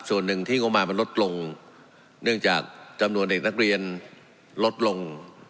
ส่วนหนึ่งที่งบมามันลดลงเนื่องจากจำนวนเด็กนักเรียนลดลง